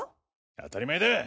当たり前だ！